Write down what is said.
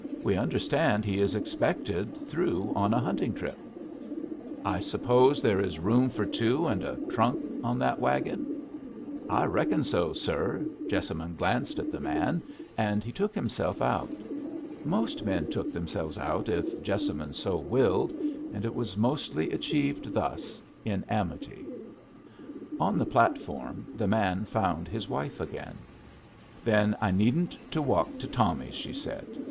We understand he is expected through on a hunting trip." "I suppose there is room for two and a trunk on that wagon?" "I reckon so, sir." Jessamine glanced at the man, and he took himself out. Most men took themselves out if Jessamine so willed; and it was mostly achieved thus, in amity. On the platform the man found his wife again. "Then I needn't to walk to Tommy's," she said.